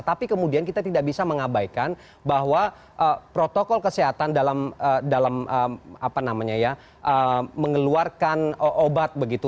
tapi kemudian kita tidak bisa mengabaikan bahwa protokol kesehatan dalam mengeluarkan obat begitu